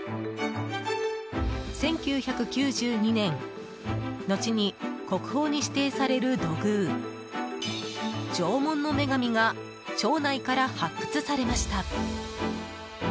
１９９２年後に国宝に指定される土偶縄文の女神が町内から発掘されました。